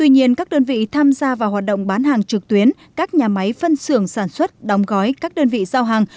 nhiên các đơn vị tham gia vào hoạt động bán hàng trực tuyến các nhà máy phân xưởng sản xuất đóng gói các đơn vị giao hàng